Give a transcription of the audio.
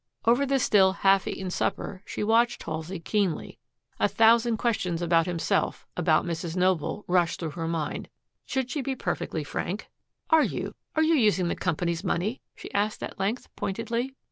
Over the still half eaten supper she watched Halsey keenly. A thousand questions about himself, about Mrs. Noble, rushed through her mind. Should she be perfectly frank? "Are you are you using the company's money!" she asked at length pointedly.